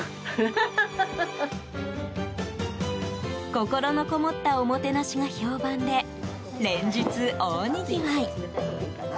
心のこもったおもてなしが評判で連日、大にぎわい。